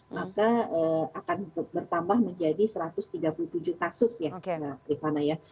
maka akan bertambah menjadi satu ratus tiga puluh tujuh kasus ya